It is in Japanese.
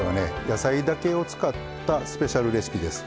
野菜だけを使ったスペシャルレシピです。